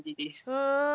うん。